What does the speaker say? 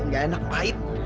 gak enak pahit